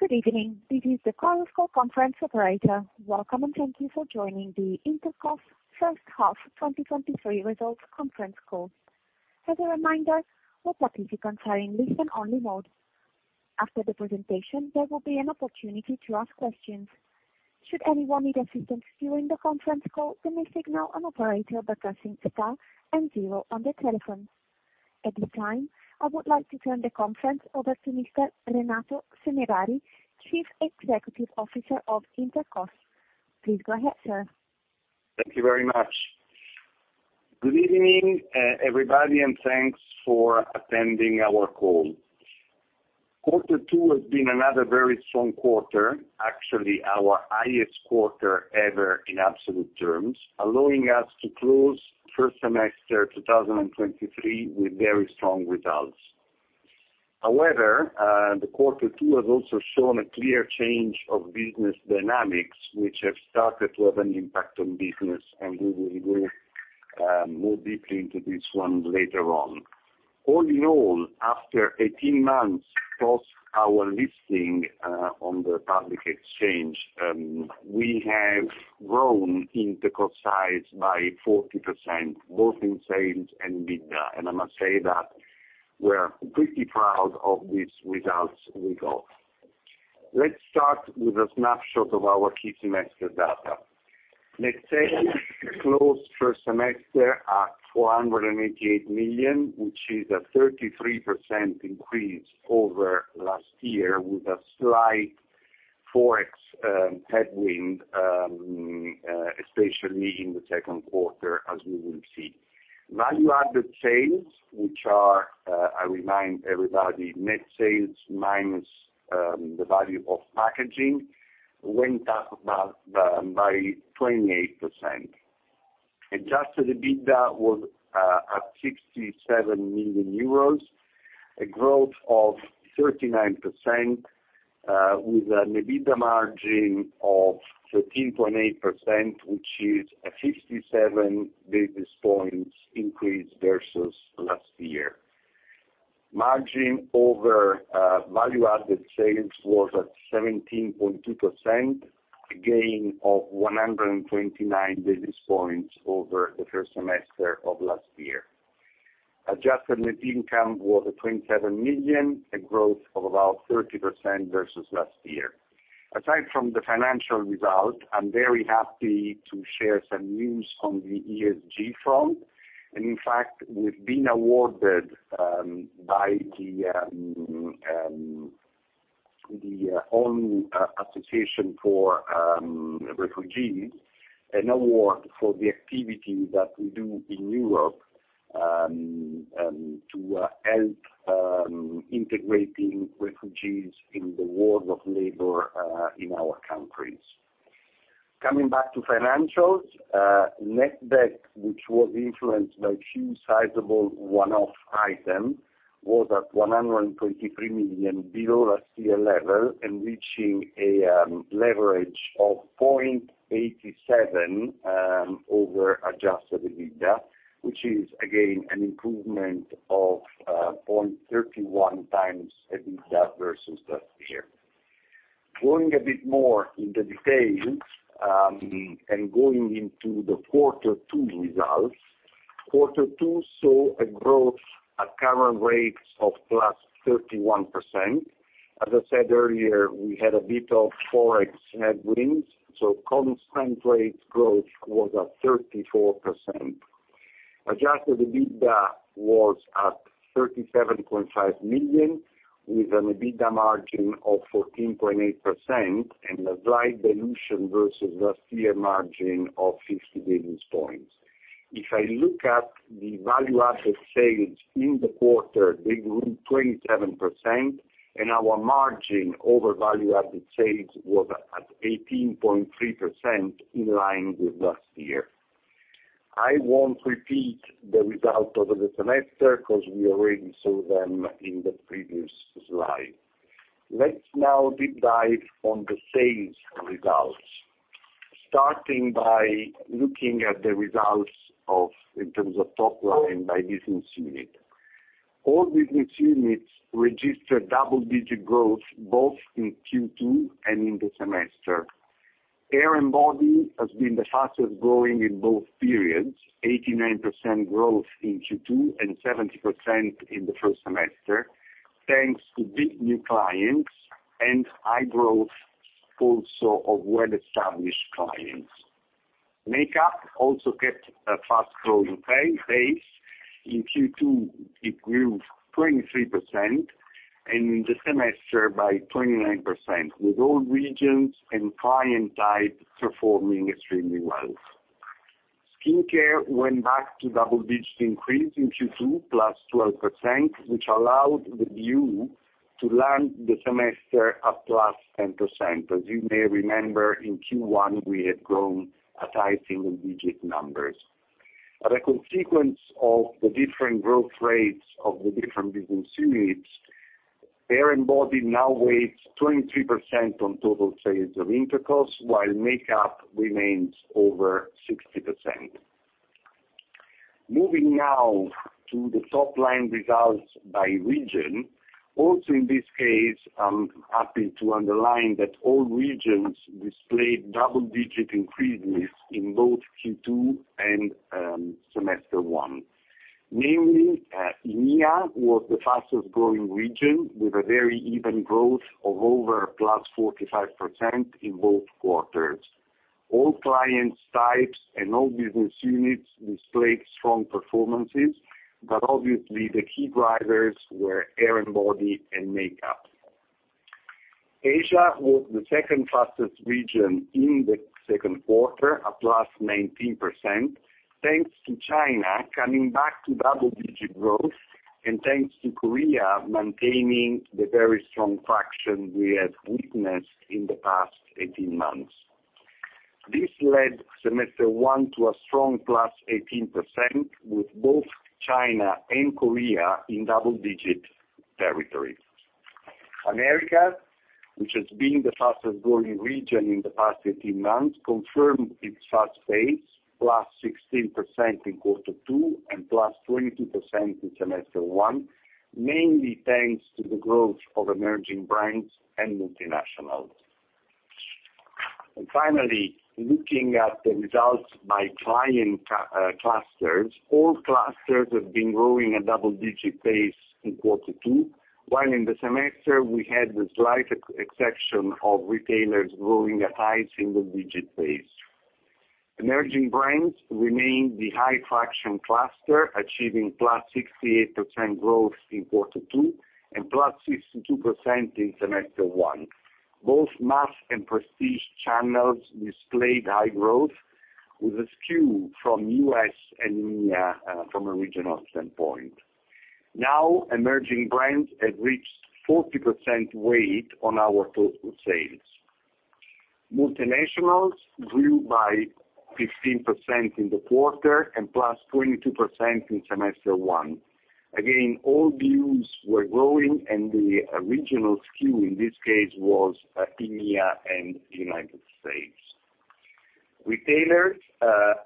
Good evening. This is the conference call conference operator. Welcome, and thank you for joining the Intercos first half 2023 results conference call. As a reminder, all participants are in listen only mode. After the presentation, there will be an opportunity to ask questions. Should anyone need assistance during the conference call, they may signal an operator by pressing star and zero on their telephone. At this time, I would like to turn the conference over to Mr. Renato Semerari, Chief Executive Officer of Intercos. Please go ahead, sir. Thank you very much. Good evening, everybody, and thanks for attending our call. Q2 has been another very strong quarter, actually, our highest quarter ever in absolute terms, allowing us to close first semester 2023 with very strong results. However, the Q2 has also shown a clear change of business dynamics, which have started to have an impact on business, and we will go more deeply into this one later on. All in all, after 18 months across our listing on the public exchange, we have grown Intercos size by 40%, both in sales and EBITDA, and I must say that we're pretty proud of these results we got. Let's start with a snapshot of our key semester data. Net sales closed first semester at 488 million, which is a 33% increase over last year, with a slight FX headwind, especially in the Q2, as we will see. Value Added Sales, which are, I remind everybody, net sales minus the value of packaging, went up about by 28%. Adjusted EBITDA was at 67 million euros, a growth of 39%, with an EBITDA margin of 13.8%, which is a 57 basis points increase versus last year. Margin over Value Added Sales was at 17.2%, a gain of 129 basis points over the first semester of last year. Adjusted net income was at 27 million, a growth of about 30% versus last year. Aside from the financial result, I'm very happy to share some news on the ESG front, and in fact, we've been awarded by the UN Association for Refugees, an award for the activity that we do in Europe to help integrating refugees in the world of labor in our countries. Coming back to financials, net debt, which was influenced by two sizable one-off items, was at 123 million below last year level, and reaching a leverage of 0.87 over Adjusted EBITDA, which is, again, an improvement of 0.31x EBITDA versus last year. Going a bit more in the details, going into the Q2 results. Q2 saw a growth at current rates of +31%. As I said earlier, we had a bit of Forex headwinds, so constant rates growth was at 34%. Adjusted EBITDA was at 37.5 million, with an EBITDA margin of 14.8% and a slight dilution versus last year margin of 50 basis points. If I look at the Value-Added Sales in the quarter, they grew 27%, and our margin over Value-Added Sales was at 18.3%, in line with last year. I won't repeat the results of the semester, because we already saw them in the previous slide. Let's now deep dive on the sales results, starting by looking at the results in terms of top line by business unit. All business units registered double-digit growth, both in Q2 and in the semester. Hair & Body has been the fastest growing in both periods, 89% growth in Q2 and 70% in the first semester, thanks to big new clients and high growth also of well-established clients. Makeup also kept a fast-growing pace. In Q2, it grew 23%, and in the semester by 29%, with all regions and client types performing extremely well. Skincare went back to double-digit increase in Q2, +12%, which allowed the view to land the semester at +10%. As you may remember, in Q1, we had grown at high single digit numbers. As a consequence of the different growth rates of the different business units, Hair & Body now weighs 23% on total sales of Intercos, while Makeup remains over 60%. Moving now to the top line results by region. Also, in this case, I'm happy to underline that all regions displayed double-digit increases in both Q2 and semester one. Namely, EMEA was the fastest growing region, with a very even growth of over +45% in both quarters. All clients types and all business units displayed strong performances, but obviously, the key drivers were Hair & Body and Makeup. Asia was the second fastest region in the Q2, up +19%, thanks to China coming back to double-digit growth, and thanks to Korea maintaining the very strong traction we have witnessed in the past 18 months. This led semester one to a strong +18%, with both China and Korea in double-digit territory. Americas, which has been the fastest growing region in the past 18 months, confirmed its fast pace, +16% in Q2 and +22% in semester 1, mainly thanks to the growth of emerging brands and multinationals. Finally, looking at the results by client clusters. All clusters have been growing a double-digit pace in Q2, while in the semester we had the slight exception of retailers growing at high single-digit pace. Emerging brands remained the high traction cluster, achieving +68% growth in Q2 and +62% in semester 1. Both mass and prestige channels displayed high growth, with a skew from US and EMEA from a regional standpoint. Now, emerging brands have reached 40% weight on our total sales. Multinationals grew by 15% in the quarter and +22% in semester 1. Again, all views were growing, and the original skew in this case was EMEA and United States. Retailers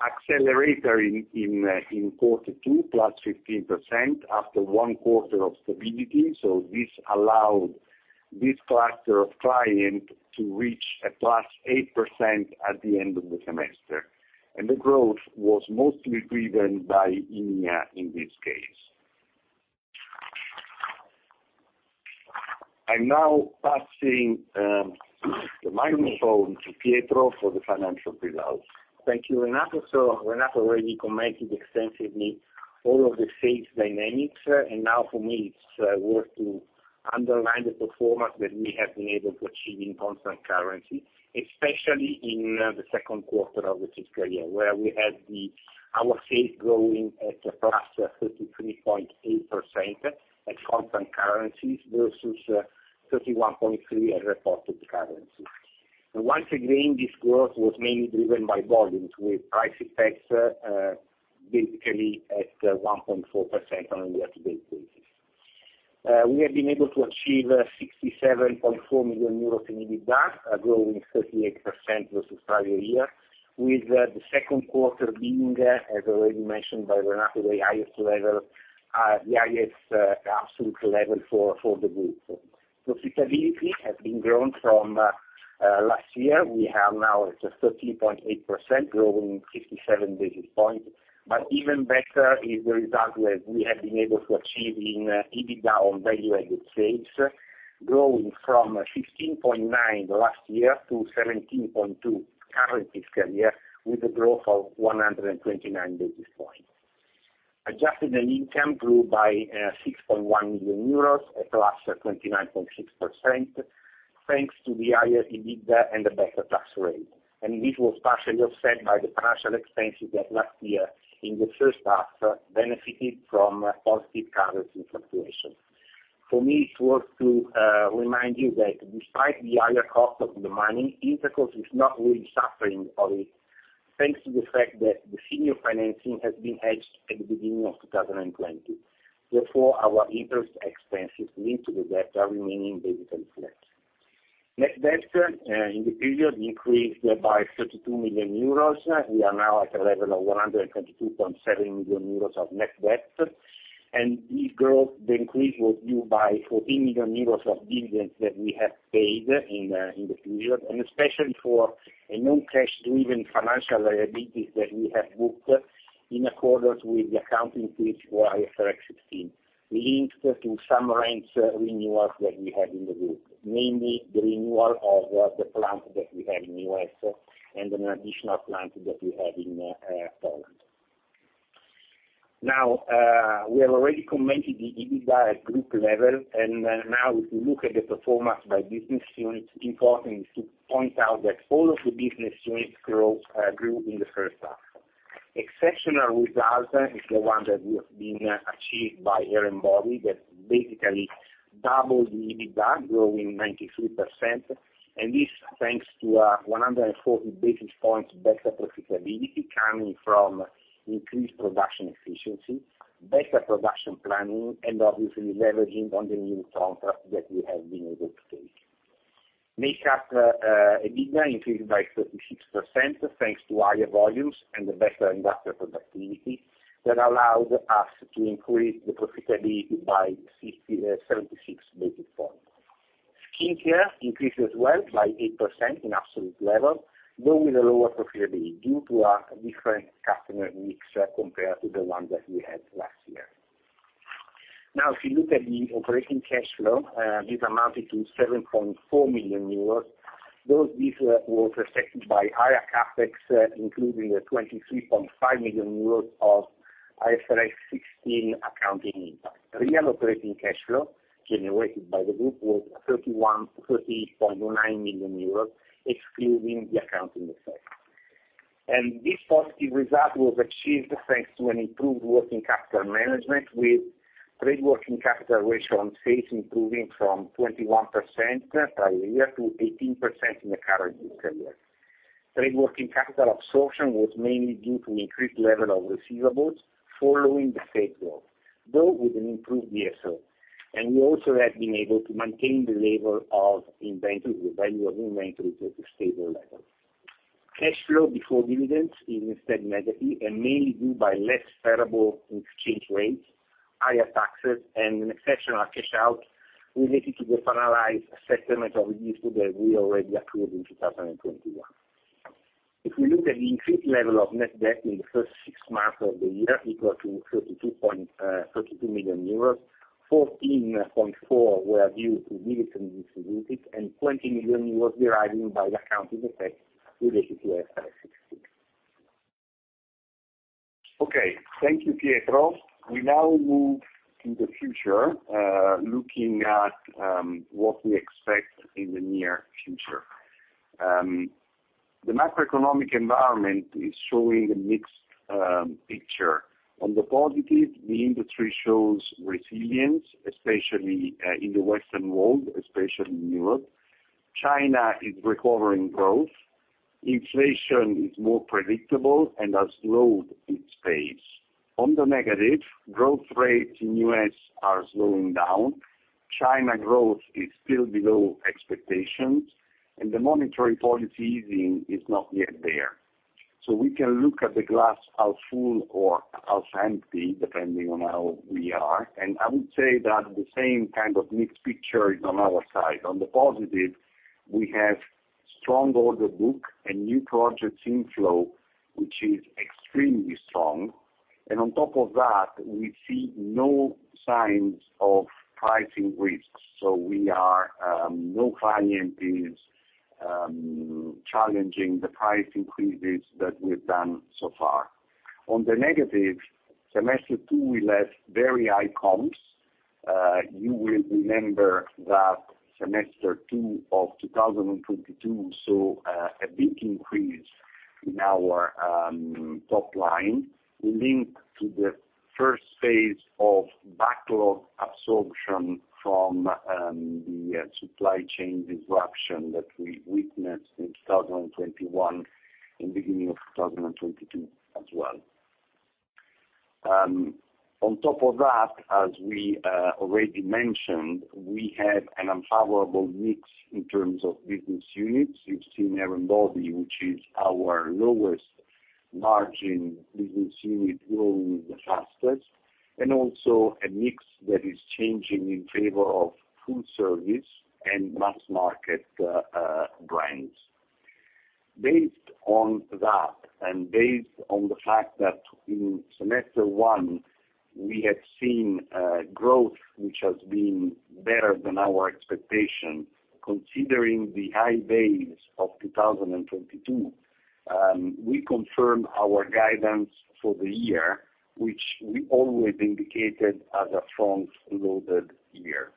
accelerated in in Q2, +15% after Q1 of stability. This allowed this cluster of client to reach a +8% at the end of the semester. The growth was mostly driven by EMEA, in this case. I'm now passing the microphone to Pietro for the financial results. Thank you, Renato. Renato already commented extensively all of the sales dynamics. Now for me, it's worth to underline the performance that we have been able to achieve in constant currency, especially in the Q2 of the fiscal year, where we had our sales growing at a +33.8% at constant currencies versus 31.3 at reported currencies. Once again, this growth was mainly driven by volumes, with price effects, basically at 1.4% on a year-to-date basis. We have been able to achieve 67.4 million euros in EBITDA, growing 38% versus prior year, with the Q2 being, as already mentioned by Renato, the highest level, the highest absolute level for the group. Profitability has been grown from last year. We have now at a 13.8%, growing 57 basis points. Even better is the result that we have been able to achieve in EBITDA on Value Added Sales, growing from 15.9 last year to 17.2 current fiscal year, with a growth of 129 basis points. Adjusted net income grew by 6.1 million euros, at +29.6%, thanks to the higher EBITDA and the better tax rate. This was partially offset by the financial expenses that last year in the first half, benefited from positive currency fluctuations. For me, it's worth to remind you that despite the higher cost of the money, Intercos is not really suffering of it, thanks to the fact that the senior financing has been hedged at the beginning of 2020. Therefore, our interest expenses linked to the debt are remaining basically flat. Net debt, in the period increased by 32 million euros. We are now at a level of 122.7 million euros of net debt. This growth, the increase was due by 14 million euros of dividends that we have paid in the period, and especially for a non-cash driven financial liabilities that we have booked in accordance with the accounting policy IFRS 16, linked to some rents renewals that we have in the group. Mainly, the renewal of the plant that we have in US and an additional plant that we have in Poland. Now, we have already commented the EBITDA at group level. Now, if you look at the performance by business unit, important to point out that all of the business units growth grew in the first half. Exceptional result is the one that we have been achieved by Hair & Body, that basically doubled the EBITDA, growing 93%, and this, thanks to a 140 basis points better profitability coming from increased production efficiency, better production planning, and obviously leveraging on the new contract that we have been able to take. Makeup, EBITDA increased by 36%, thanks to higher volumes and the better investor productivity, that allowed us to increase the profitability by 50, 76 basis points. Skincare increased as well by 8% in absolute level, though with a lower profitability, due to a different customer mix, compared to the one that we had last year. Now, if you look at the operating cash flow, this amounted to 7.4 million euros, though this was affected by higher CapEx, including a 23.5 million euros of IFRS 16 accounting impact. Real operating cash flow generated by the group was 30.9 million euros, excluding the accounting effect. This positive result was achieved thanks to an improved working capital management, with trade working capital ratio on sales improving from 21% prior year to 18% in the current year. Trade working capital absorption was mainly due to increased level of receivables following the sales growth, though with an improved DSO. We also have been able to maintain the level of inventory, the value of inventory, at a stable level. Cash flow before dividends is instead negative, mainly due by less favorable exchange rates, higher taxes, and an exceptional cash out related to the finalized settlement of issues that we already approved in 2021. We look at the increased level of net debt in the first six months of the year, equal to 32 million euros, 14.4 million were due to dividends distributed, and 20 million euros deriving by the accounting effect related to IFRS 16. Okay, thank you, Pietro. We now move to the future, looking at what we expect in the near future. The macroeconomic environment is showing a mixed picture. On the positive, the industry shows resilience, especially in the Western world, especially in Europe. China is recovering growth. Inflation is more predictable and has slowed its pace. On the negative, growth rates in US are slowing down, China growth is still below expectations, and the monetary policy easing is not yet there. We can look at the glass as full or as empty, depending on how we are, and I would say that the same kind of mixed picture is on our side. On the positive, we have strong order book and new projects inflow, which is extremely strong. On top of that, we see no signs of pricing risks, so we are, no client is, challenging the price increases that we've done so far. On the negative, semester two will have very high comps. You will remember that semester two of 2022 saw a big increase in our top line linked to the first phase of backlog absorption from the supply chain disruption that we witnessed in 2021 and beginning of 2022 as well. On top of that, as we already mentioned, we have an unfavorable mix in terms of business units. You've seen Hair & Body, which is our lowest margin business unit, growing the fastest, and also a mix that is changing in favor of food service and mass market brands. Based on that, and based on the fact that in semester one, we have seen growth, which has been better than our expectation, considering the high base of 2022, we confirm our guidance for the year, which we always indicated as a front-loaded year.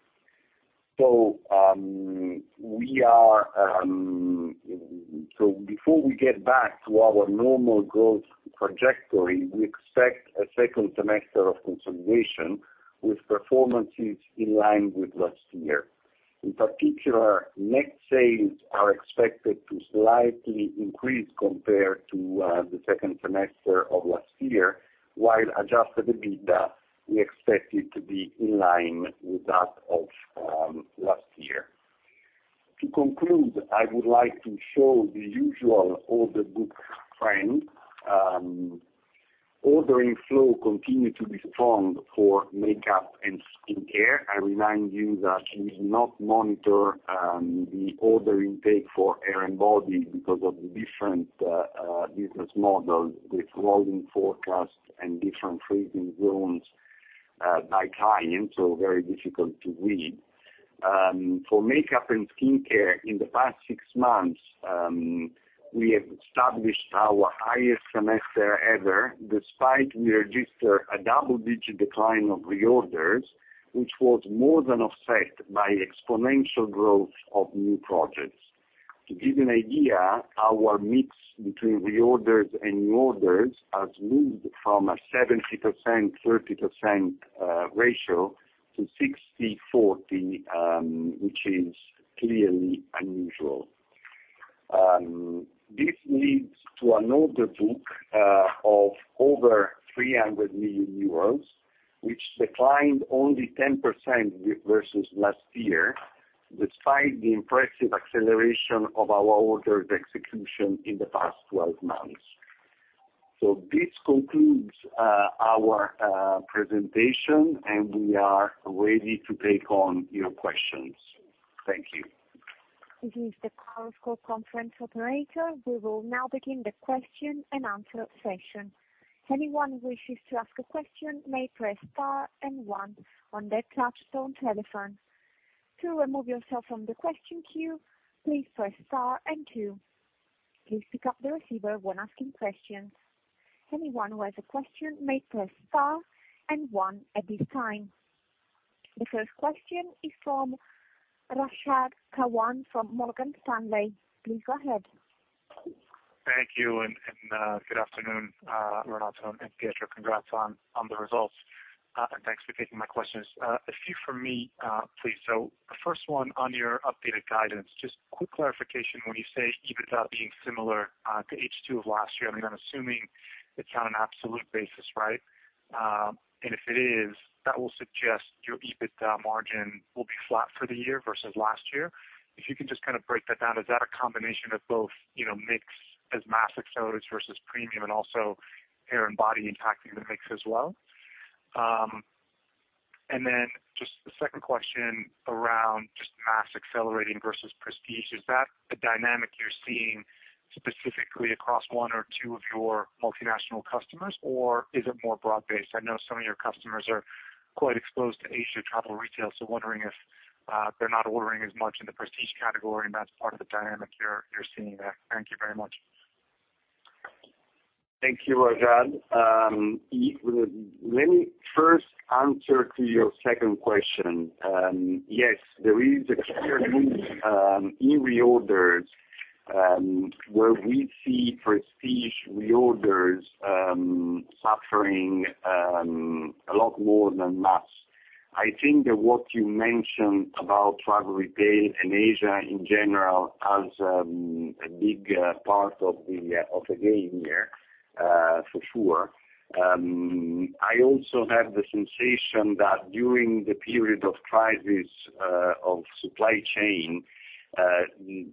Before we get back to our normal growth trajectory, we expect a second semester of consolidation with performances in line with last year. In particular, net sales are expected to slightly increase compared to the second semester of last year, while Adjusted EBITDA, we expect it to be in line with that of last year. To conclude, I would like to show the usual order book trend. Order inflow continue to be strong for Makeup and Skincare. I remind you that we do not monitor the order intake for Hair & Body because of the different business models with rolling forecasts and different freezing rules by client, so very difficult to read. For Makeup and Skincare in the past six months, we have established our highest semester ever, despite we register a double-digit decline of reorders, which was more than offset by exponential growth of new projects. To give you an idea, our mix between reorders and new orders has moved from a 70%, 30% ratio to 60/40, which is clearly unusual. This leads to an order book of over 300 million euros, which declined only 10% versus last year, despite the impressive acceleration of our orders execution in the past 12 months. This concludes our presentation, and we are ready to take on your questions. Thank you. This is the Chorus Call conference operator. We will now begin the question and answer session. Anyone who wishes to ask a question may press Star and One on their touchtone telephone. To remove yourself from the question queue, please press Star and Two. Please pick up the receiver when asking questions. Anyone who has a question may press Star and one at this time. The first question is from Rashad Kawan from Morgan Stanley. Please go ahead. Thank you, and, and good afternoon, Renato and Pietro. Congrats on, on the results, and thanks for taking my questions. A few from me, please. First one, on your updated guidance, just quick clarification. When you say EBITDA being similar to H2 of last year, I mean, I'm assuming it's on an absolute basis, right? If it is, that will suggest your EBITDA margin will be flat for the year versus last year. If you can just kind of break that down, is that a combination of both, you know, mix as mass accelerators versus premium, and also Hair & Body impacting the mix as well? Then just the second question around just mass accelerating versus prestige, is that a dynamic you're seeing specifically across one or two of your multinational customers, or is it more broad-based? I know some of your customers are quite exposed to Asia travel retail, so wondering if they're not ordering as much in the prestige category, and that's part of the dynamic you're, you're seeing there. Thank you very much. Thank you, Rashad. Let me first answer to your second question. Yes, there is a clear move in reorders, where we see prestige reorders suffering a lot more than mass. I think that what you mentioned about travel retail and Asia in general has a big part of the game here, for sure. I also have the sensation that during the period of crisis of supply chain,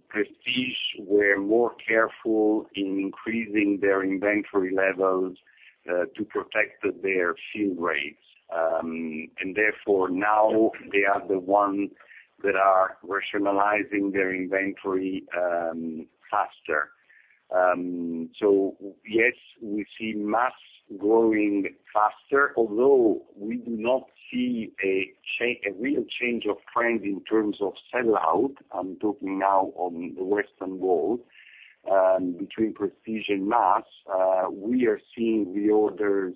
prestige were more careful in increasing their inventory levels to protect their fill rates. Therefore, now they are the ones that are rationalizing their inventory faster. Yes, we see mass growing faster, although we do not see a real change of trend in terms of sell-out. I'm talking now on the Western world. Between prestige and mass, we are seeing reorders,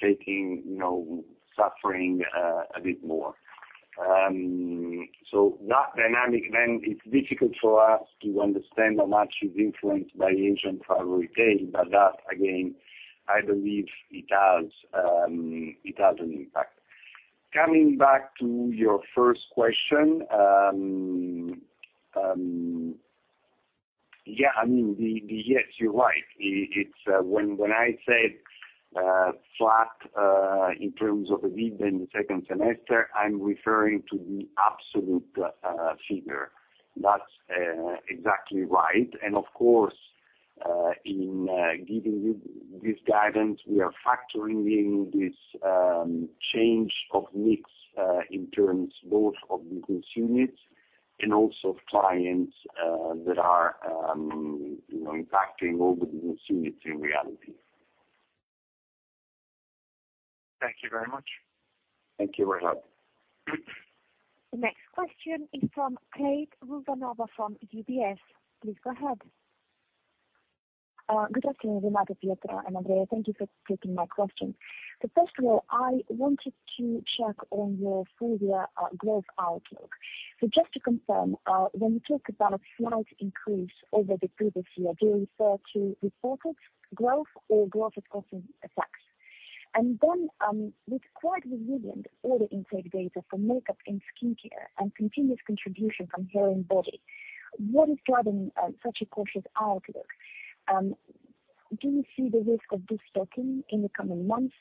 checking, you know, suffering a bit more. That dynamic, then it's difficult for us to understand how much is influenced by Asian travel retail, but that, again, I believe it has, it has an impact. Coming back to your first question, I mean, Yes, you're right. It, it's, when, when I said flat in terms of EBITDA in the second semester, I'm referring to the absolute figure. That's exactly right. Of course, in giving you this guidance, we are factoring in this change of mix in both of the business units and also clients that are, you know, impacting all the business units in reality. Thank you very much. Thank you, Rajad. The next question is from Kate Rubanova from UBS. Please go ahead. Good afternoon, Renato, Pietro, and Andrea. Thank you for taking my question. First of all, I wanted to check on your full year growth outlook. Just to confirm, when you talk about a slight increase over the previous year, do you refer to reported growth or growth at constant currency? With quite resilient order intake data for Makeup and Skincare and continuous contribution from Hair & Body, what is driving such a cautious outlook? Do you see the risk of destocking in the coming months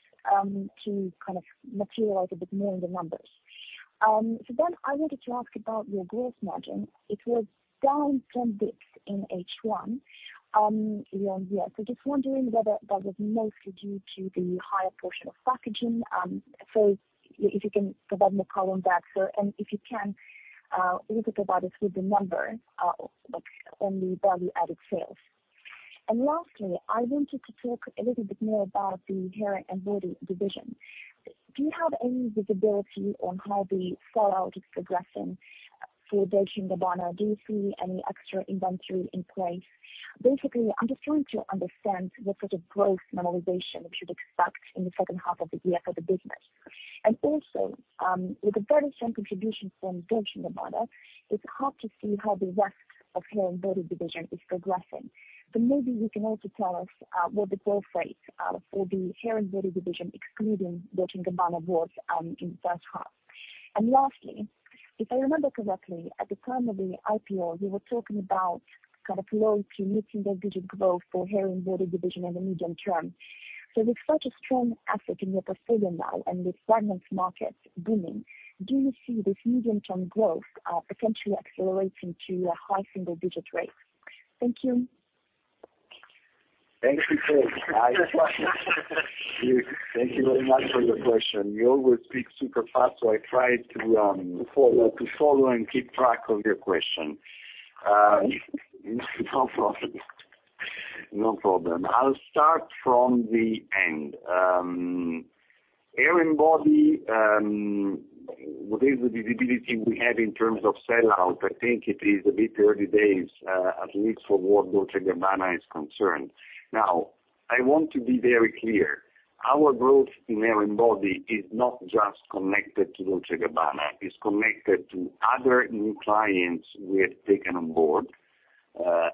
to kind of materialize a bit more in the numbers? I wanted to ask about your gross margin. It was down 10 basis points in H1. Just wondering whether that was mostly due to the higher portion of packaging, if you can provide more color on that. If you can, a little bit about it with the numbers, like on the Value Added Sales. Lastly, I wanted to talk a little bit more about the Hair & Body division. Do you have any visibility on how the sell-out is progressing for Dolce & Gabbana? Do you see any extra inventory in place? Basically, I'm just trying to understand what sort of growth normalization we should expect in the second half of the year for the business. With a very strong contribution from Dolce & Gabbana, it's hard to see how the rest of Hair & Body division is progressing. Maybe you can also tell us what the growth rate for the Hair & Body division, excluding Dolce & Gabbana, was in first half. Lastly, if I remember correctly, at the time of the IPO, you were talking about kind of low to mid-single digit growth for Hair & Body division in the medium term. With such a strong asset in your portfolio now, and with fragments markets booming, do you see this medium-term growth potentially accelerating to a high single digit rate? Thank you. Thank you. Thank you very much for your question. You always speak super fast, so I try to follow, to follow and keep track of your question. No problem. No problem. I'll start from the end. Hair & Body, what is the visibility we have in terms of sell-out? I think it is a bit early days, at least for what Dolce & Gabbana is concerned. Now, I want to be very clear, our growth in Hair & Body is not just connected to Dolce & Gabbana, it's connected to other new clients we have taken on board.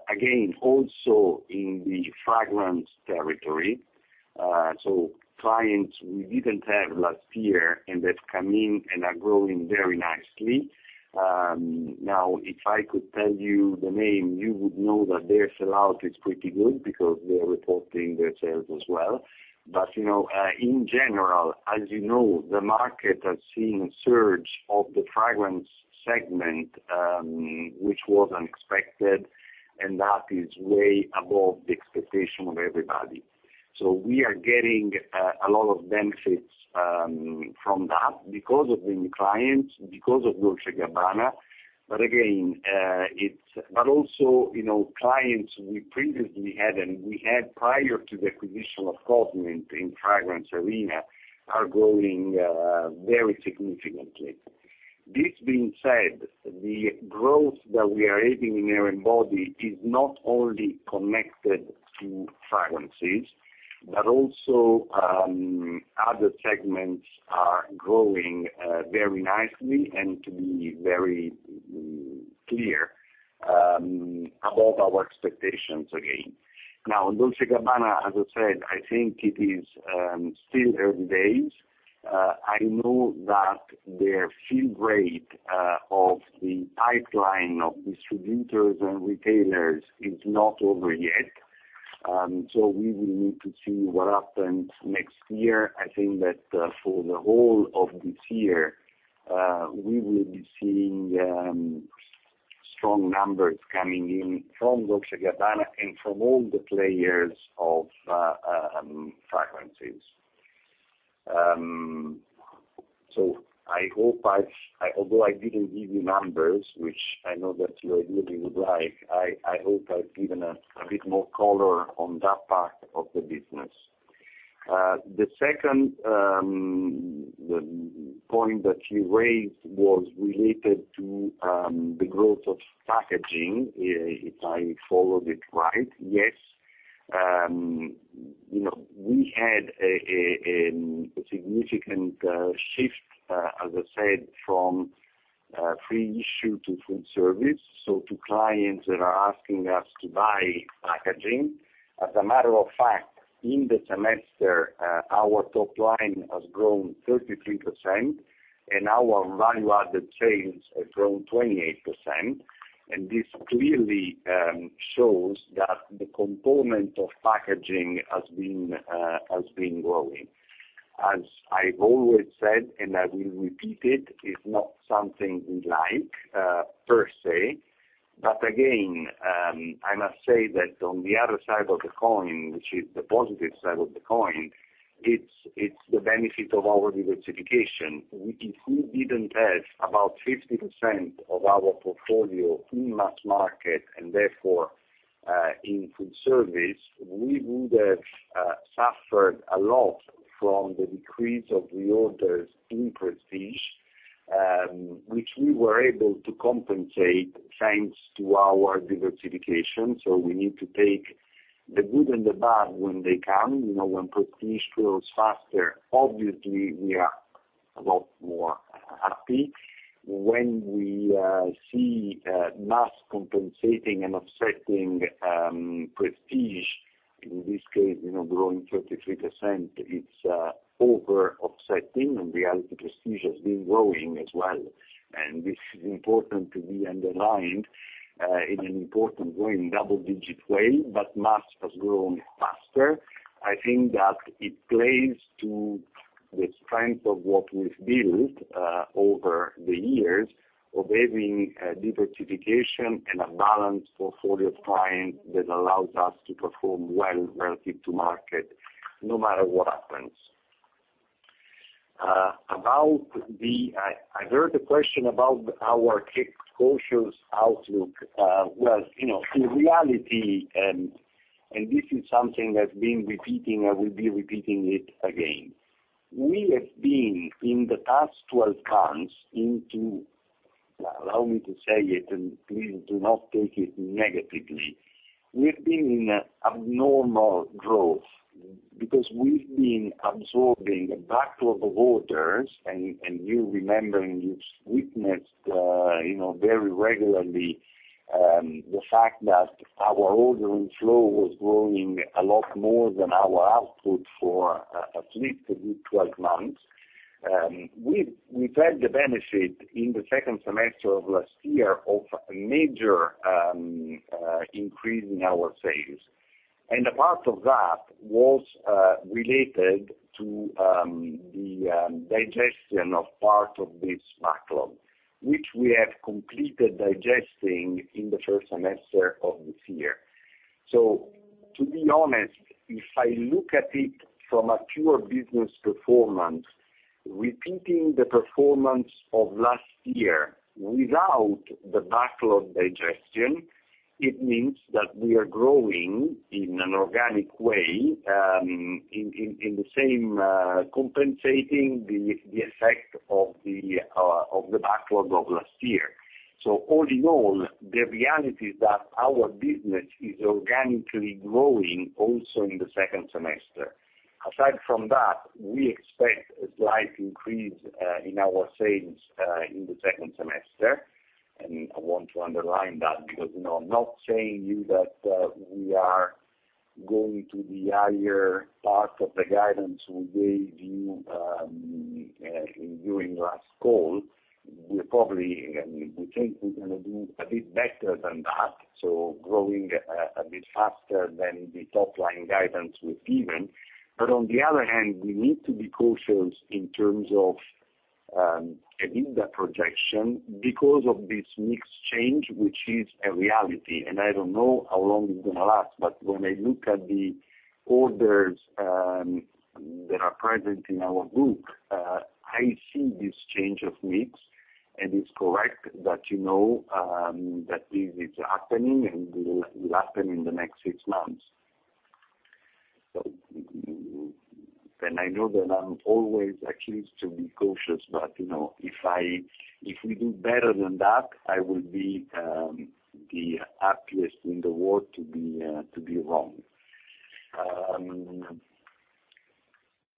Again, also in the fragrance territory. So clients we didn't have last year, and that's coming and are growing very nicely. Now, if I could tell you the name, you would know that their sell-out is pretty good because they are reporting their sales as well. You know, in general, as you know, the market has seen a surge of the fragrance segment, which was unexpected, and that is way above the expectation of everybody. We are getting a lot of benefits from that because of the new clients, because of Dolce & Gabbana. Again, but also, you know, clients we previously had, and we had prior to the acquisition of Cosmint in fragrance arena, are growing very significantly. This being said, the growth that we are having in Hair & Body is not only connected to fragrances, but also, other segments are growing very nicely and to be very clear, above our expectations again. Dolce & Gabbana, as I said, I think it is still early days. I know that their fill rate of the pipeline of distributors and retailers is not over yet, we will need to see what happens next year. I think that for the whole of this year, we will be seeing strong numbers coming in from Dolce & Gabbana and from all the players of fragrances. I hope I've-- although I didn't give you numbers, which I know that you really would like, I, I hope I've given a, a bit more color on that part of the business. The second, the point that you raised was related to the growth of packaging, if I followed it right. Yes, you know, we had a significant shift, as I said, from free issue to full service, so to clients that are asking us to buy packaging. As a matter of fact, in the semester, our top line has grown 33%, and our value-added sales have grown 28%, and this clearly shows that the component of packaging has been growing. As I've always said, and I will repeat it, it's not something we like per se, but again, I must say that on the other side of the coin, which is the positive side of the coin, it's the benefit of our diversification. If we didn't have about 50% of our portfolio in mass market and therefore, in full service, we would have suffered a lot from the decrease of the orders in prestige, which we were able to compensate thanks to our diversification. We need to take the good and the bad when they come, you know, when prestige grows faster, obviously, we are a lot more happy. When we see mass compensating and offsetting prestige, in this case, you know, growing 33%, it's over offsetting, and reality prestige has been growing as well. This is important to be underlined in an important way, in double-digit way, but mass has grown faster. I think that it plays to the strength of what we've built over the years of having a diversification and a balanced portfolio of clients that allows us to perform well relative to market, no matter what happens. About the... I, I heard a question about our cautious outlook. Well, you know, in reality, this is something I've been repeating, I will be repeating it again. We have been, in the past 12 months, into, allow me to say it, and please do not take it negatively. We've been in a abnormal growth because we've been absorbing the backlog of orders. You remember, and you've witnessed, you know, very regularly, the fact that our order inflow was growing a lot more than our output for at least a good 12 months. We've, we've had the benefit in the second semester of last year of a major increase in our sales. A part of that was related to the digestion of part of this backlog, which we have completed digesting in the first semester of this year. To be honest, if I look at it from a pure business performance, repeating the performance of last year without the backlog digestion, it means that we are growing in an organic way, in, in, in the same, compensating the, the effect of the of the backlog of last year. All in all, the reality is that our business is organically growing also in the second semester. Aside from that, we expect a slight increase in our sales in the second semester. I want to underline that because, you know, I'm not saying you that we are going to the higher part of the guidance we gave you during last call. We're probably, I mean, we think we're gonna do a bit better than that, so growing a bit faster than the top line guidance we've given. On the other hand, we need to be cautious in terms of giving the projection because of this mix change, which is a reality, and I don't know how long it's gonna last. When I look at the orders that are present in our group, I see this change of mix, and it's correct that you know, that this is happening and will, will happen in the next six months. I know that I'm always accused to be cautious, but, you know, if I, if we do better than that, I will be the happiest in the world to be wrong.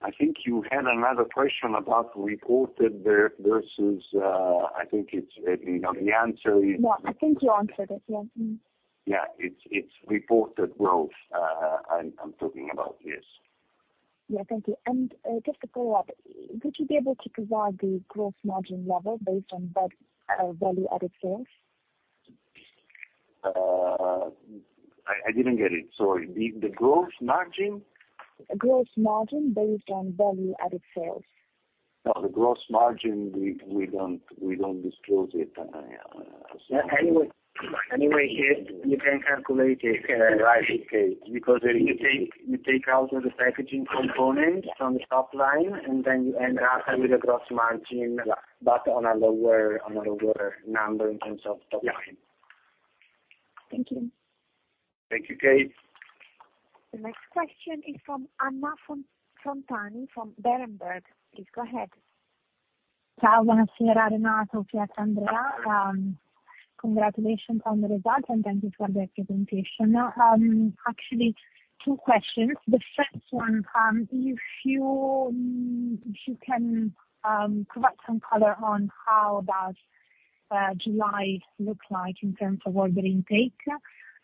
I think you had another question about reported versus, I think it's, you know, the answer is. No, I think you answered it. Yeah, mm-hmm. Yeah, it's, it's reported growth, I'm, I'm talking about, yes. Yeah. Thank you. Just to follow up, would you be able to provide the growth margin level based on that Value Added Sales? I, I didn't get it, sorry. The, the growth margin? Growth margin based on Value Added Sales. No, the growth margin, we, we don't, we don't disclose it. Anyway, anyway, Kate, you can calculate it, because you take, you take out all the packaging components from the top line, and then you end up with a growth margin, but on a lower, on a lower number in terms of top line. Yeah. Thank you. Thank you, Kate. The next question is from Anna Font-Fontani from Berenberg. Please go ahead. Ciao, congratulations on the results, and thank you for the presentation. Actually, two questions. The first one, if you, if you can, provide some color on how does July look like in terms of order intake?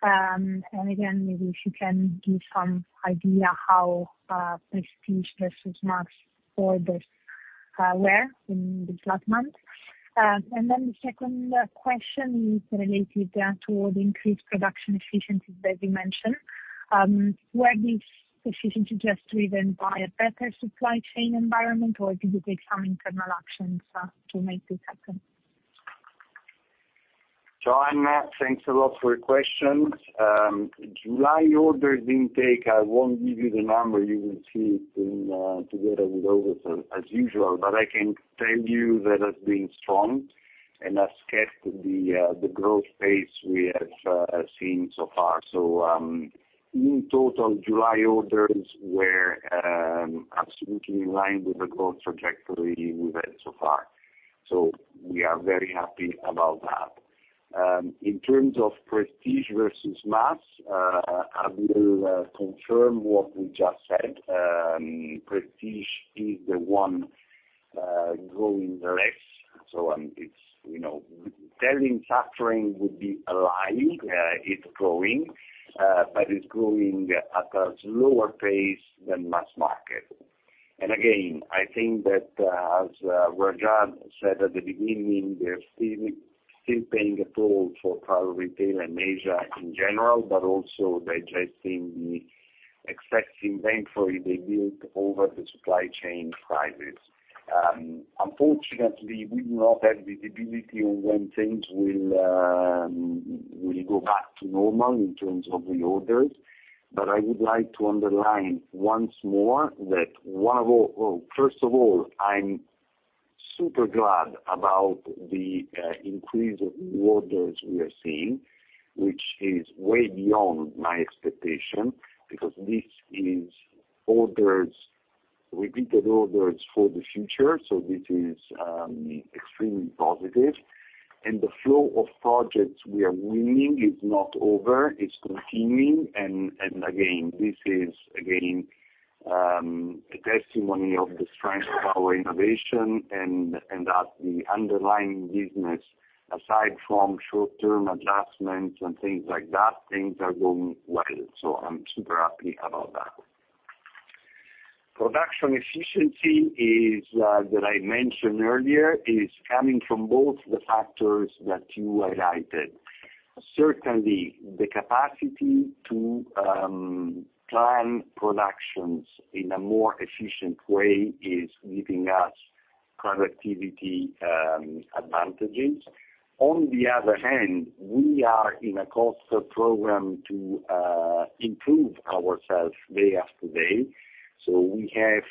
Again, maybe if you can give some idea how prestige versus mass orders were in the flat month. Then the second question is related to the increased production efficiency that you mentioned. Were this efficiency just driven by a better supply chain environment, or did you take some internal actions to make this happen? Anna, thanks a lot for your questions. July orders intake, I won't give you the number, you will see it in together with August, as usual, but I can tell you that has been strong, and has kept the growth pace we have seen so far. In total, July orders were absolutely in line with the growth trajectory we've had so far. We are very happy about that. In terms of prestige versus mass, I will confirm what we just said. Prestige is the one growing less, so it's, you know. Telling suffering would be a lie. It's growing, but it's growing at a slower pace than mass market. Again, I think that, as Rajad said at the beginning, we're still, still paying a toll for travel retail and Asia in general, but also digesting the excessive inventory they built over the supply chain crisis. Unfortunately, we do not have visibility on when things will go back to normal in terms of the orders, but I would like to underline once more that first of all, I'm super glad about the increase of orders we are seeing, which is way beyond my expectation. Because this is orders, repeated orders for the future, so this is extremely positive. The flow of projects we are winning is not over, it's continuing. Again, this is again, a testimony of the strength of our innovation and, and that the underlying business, aside from short-term adjustments and things like that, things are going well. I'm super happy about that. Production efficiency is that I mentioned earlier, is coming from both the factors that you highlighted. Certainly, the capacity to plan productions in a more efficient way is giving us productivity advantages. On the other hand, we are in a cost program to improve ourselves day after day. We have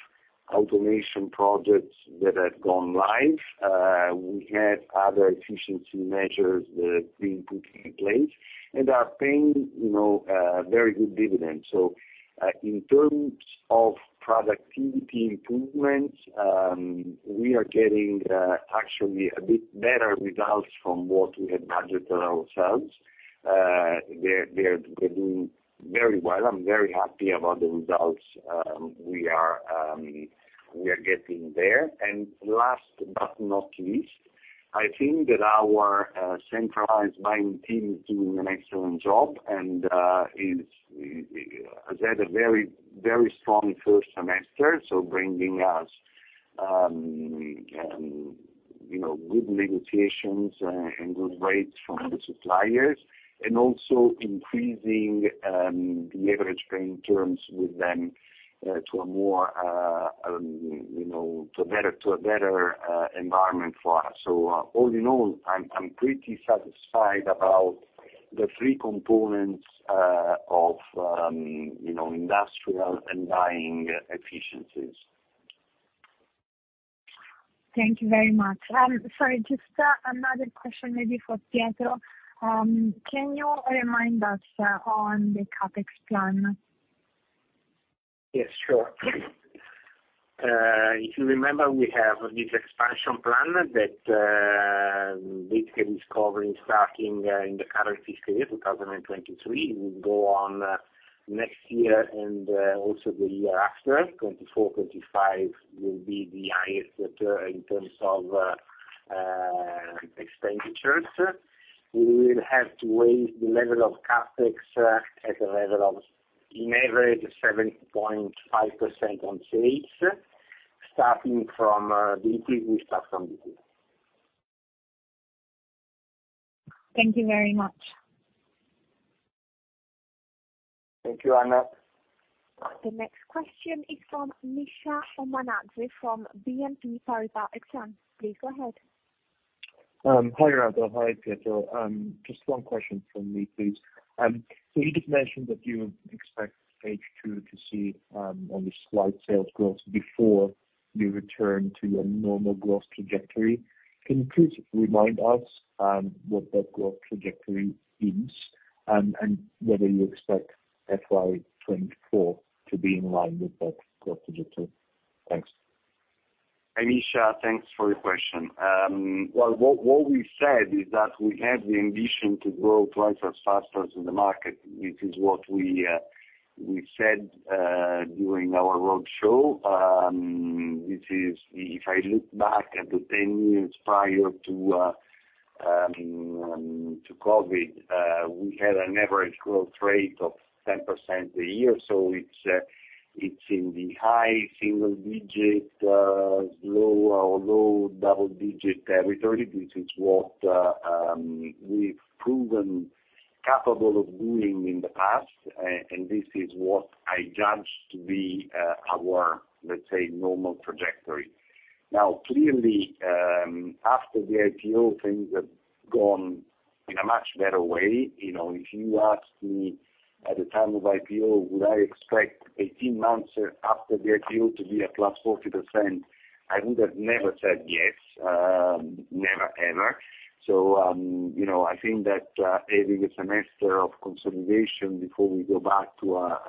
automation projects that have gone live, we have other efficiency measures that are being put in place and are paying, you know, very good dividends. In terms of productivity improvements, we are getting actually a bit better results from what we had budgeted ourselves. They're, they're, they're doing very well. I'm very happy about the results, we are, we are getting there. Last but not least, I think that our centralized buying team is doing an excellent job and has had a very, very strong first semester, bringing us, you know, good negotiations and good rates from the suppliers, and also increasing the average payment terms with them, to a more, you know, to a better, to a better environment for us. All in all, I'm pretty satisfied about the three components of, you know, industrial and buying efficiencies. Thank you very much. Sorry, just, another question maybe for Pietro. Can you remind us on the CapEx plan? Yes, sure. If you remember, we have this expansion plan that basically is covering, starting in the current fiscal year, 2023. It will go on next year and also the year after, 2024, 2025, will be the highest year in terms of expenditures. We will have to raise the level of CapEx at a level of in average, 7.5% on sales, starting from the increase will start from this year. Thank you very much. Thank you, Anna. The next question is from Misha Homannagy from BNP Paribas Exane. Please go ahead. Hi, Aldo. Hi, Pietro. Just one question from me, please. You just mentioned that you expect H2 to see, only slight sales growth before you return to a normal growth trajectory. Can you please remind us, what that growth trajectory is, and whether you expect FY 2024 to be in line with that growth trajectory? Thanks. Hi, Misha. Thanks for your question. Well, what, what we said is that we have the ambition to grow twice as fast as the market. This is what we said during our roadshow. This is, if I look back at the 10 years prior to COVID, we had an average growth rate of 10% a year, so it's in the high single digit, low or low double digit territory. This is what we've proven capable of doing in the past, and this is what I judge to be our, let's say, normal trajectory. Now, clearly, after the IPO, things have gone in a much better way. You know, if you asked me at the time of IPO, would I expect 18 months after the IPO to be at +40%, I would have never said yes, never, ever. You know, I think that having a semester of consolidation before we go back to our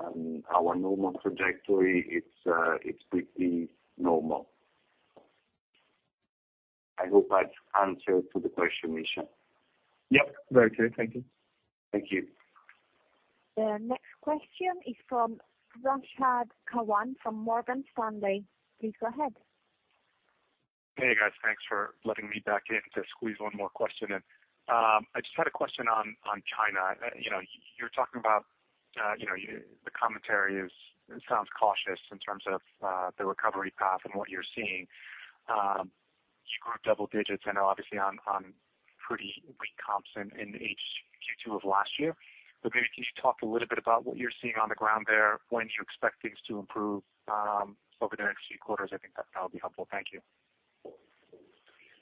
normal trajectory, it's pretty normal. I hope I've answered to the question, Misha. Yep, very clear. Thank you. Thank you. The next question is from Rashad Kawan from Morgan Stanley. Please go ahead. Hey, guys. Thanks for letting me back in to squeeze one more question in. I just had a question on China. You know, you're talking about, you know, you -- the commentary is, it sounds cautious in terms of the recovery path and what you're seeing. You grew double digits and obviously on pretty weak comps in Q2 of last year. Maybe can you talk a little bit about what you're seeing on the ground there, when do you expect things to improve over the next few quarters? I think that that would be helpful. Thank you.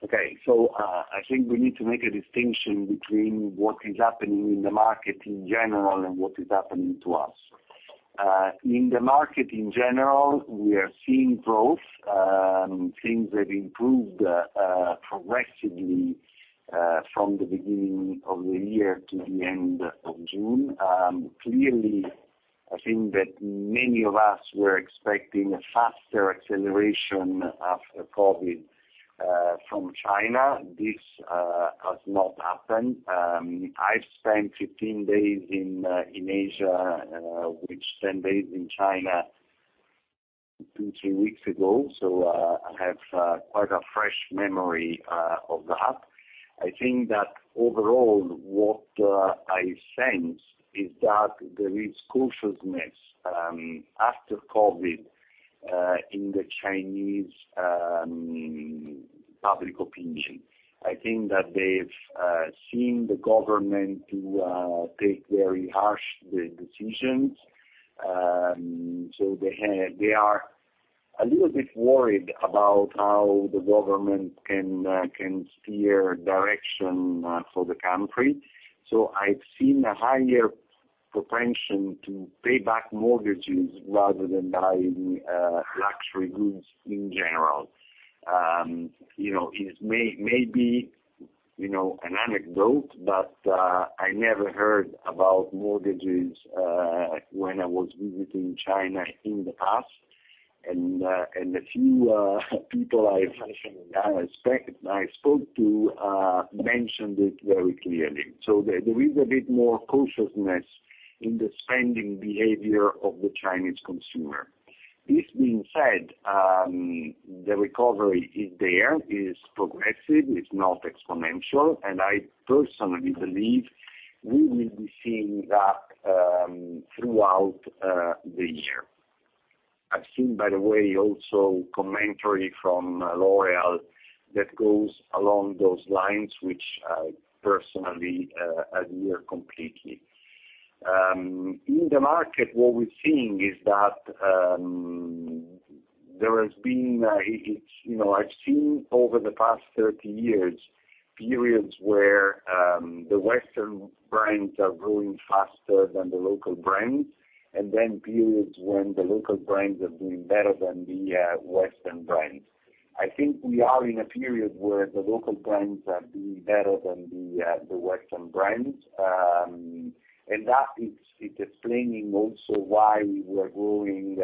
Okay. I think we need to make a distinction between what is happening in the market in general and what is happening to us. In the market in general, we are seeing growth. Things have improved progressively from the beginning of the year to the end of June. Clearly, I think that many of us were expecting a faster acceleration after COVID from China. This has not happened. I've spent 15 days in Asia with 10 days in China 2, 3 weeks ago, so I have quite a fresh memory of that. I think that overall, what I sense is that there is cautiousness after COVID in the Chinese public opinion. I think that they've seen the government to take very harsh decisions. They have- they are a little bit worried about how the government can steer direction for the country. I've seen a higher propension to pay back mortgages rather than buying luxury goods in general. You know, it may, may be, you know, an anecdote, but I never heard about mortgages when I was visiting China in the past, and a few people I, I, I spoke to mentioned it very clearly. There, there is a bit more cautiousness in the spending behavior of the Chinese consumer. This being said, the recovery is there, is progressive, it's not exponential, and I personally believe we will be seeing that throughout the year. I've seen, by the way, also commentary from L'Oréal that goes along those lines, which I personally adhere completely. In the market, what we're seeing is that there has been. You know, I've seen over the past 30 years, periods where the Western brands are growing faster than the local brands, and then periods when the local brands are doing better than the Western brands. I think we are in a period where the local brands are doing better than the Western brands, and that is, it explaining also why we were growing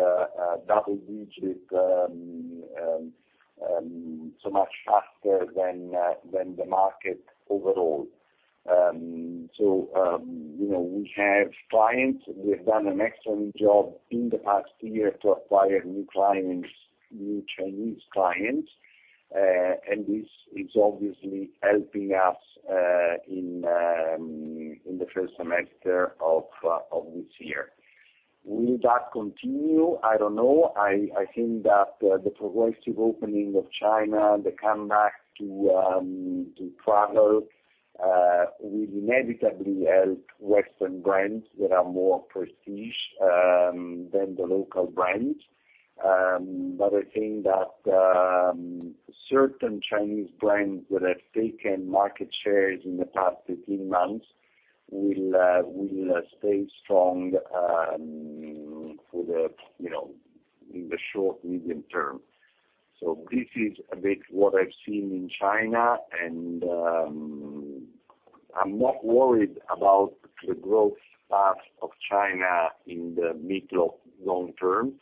double-digit so much faster than the market overall. You know, we have clients, we have done an excellent job in the past year to acquire new clients, new Chinese clients, and this is obviously helping us in the 1st semester of this year. Will that continue? I don't know. I, I think that the progressive opening of China, the comeback to travel, will inevitably help Western brands that are more prestige than the local brands. I think that certain Chinese brands that have taken market shares in the past 15 months will stay strong for the, you know, in the short, medium term. This is a bit what I've seen in China, and I'm not worried about the growth path of China in the mid or long term.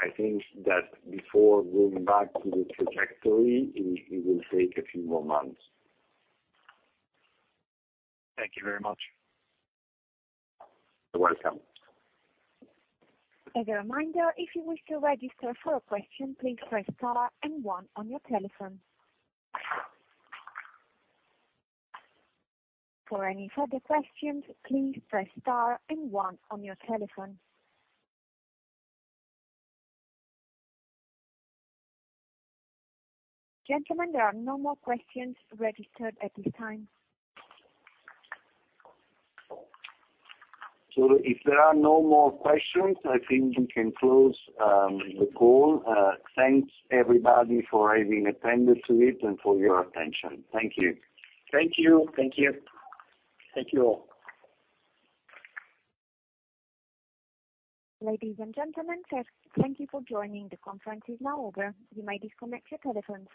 I think that before going back to the trajectory, it, it will take a few more months. Thank you very much. You're welcome. As a reminder, if you wish to register for a question, please press star and one on your telephone. For any further questions, please press star and one on your telephone. Gentlemen, there are no more questions registered at this time. If there are no more questions, I think we can close the call. Thanks, everybody, for having attended to it and for your attention. Thank you. Thank you. Thank you. Thank you all. Ladies and gentlemen, thank you for joining. The conference is now over. You might disconnect your telephones.